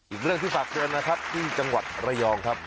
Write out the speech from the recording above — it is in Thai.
อีกเรื่องที่ฝากเตือนนะครับที่จังหวัดระยองครับ